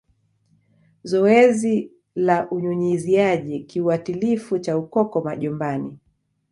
Zoezi la Unyunyiziaji kiuatilifu cha Ukoko majumbani